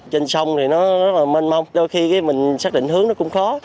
trên sông thì nó rất là mênh mông đôi khi mình xác định hướng nó cũng khó